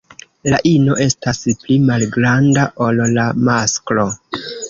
La ino estas pli malgranda ol la masklo.